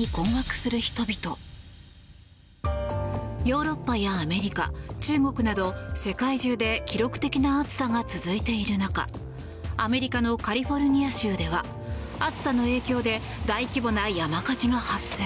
ヨーロッパやアメリカ中国など世界中で記録的な暑さが続いている中アメリカのカリフォルニア州では暑さの影響で大規模な山火事が発生。